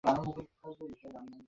Picnic enjoy করো, বাড়ি যাও।